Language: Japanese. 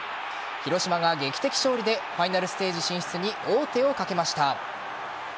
広島が劇的勝利でファイナルステージ進出に王手をかけました。